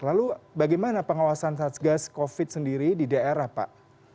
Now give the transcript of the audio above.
lalu bagaimana pengawasan satgas covid sendiri di daerah pak